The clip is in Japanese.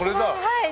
はい。